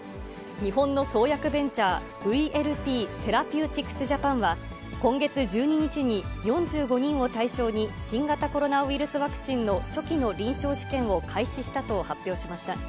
日本の創薬ベンチャー、ＶＬＰセラピューティクス・ジャパンは、今月１２日に４５人を対象に、新型コロナウイルスワクチンの初期の臨床試験を開始したと発表しました。